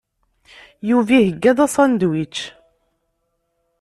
Yuba iheyya-d asandwič.